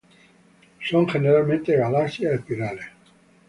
Son generalmente galaxias espirales.